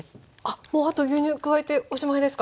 もうあと牛乳加えておしまいですか？